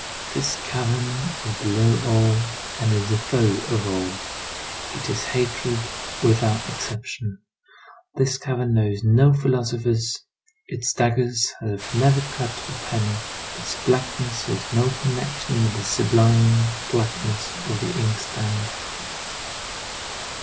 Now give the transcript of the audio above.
This cavern is below all, and is the foe of all. It is hatred, without exception. This cavern knows no philosophers; its dagger has never cut a pen. Its blackness has no connection with the sublime blackness of the inkstand.